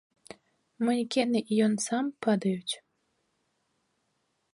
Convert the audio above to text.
Манекены і ён сам падаюць.